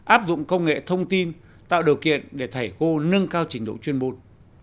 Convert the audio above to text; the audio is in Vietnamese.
áp dụng công nghệ thông tin tạo điều kiện để thầy cô nâng cao trình độ chuyên môn